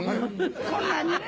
こんなね。